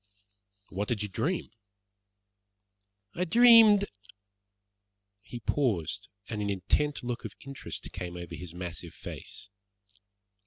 "What did you dream?" "I dreamed " He paused, and an intent look of interest came over his massive face.